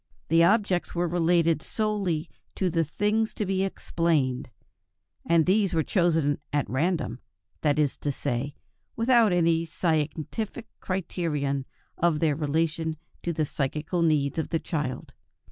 The objects were related solely to the things to be explained, and these were chosen at random, that is to say, without any scientific criterion of their relation to the psychical needs of the child.